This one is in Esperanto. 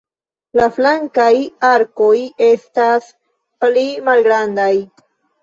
La flankaj arkoj estas pli malgrandaj.